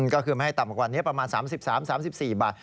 ก็คือไม่ให้ต่ำกว่านี้ประมาณ๓๓๔บาท